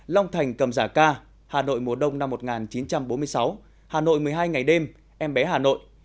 long thành cầm giả ca hà nội mùa đông năm một nghìn chín trăm bốn mươi sáu hà nội một mươi hai ngày đêm em bé hà nội